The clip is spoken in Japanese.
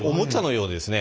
そうですね。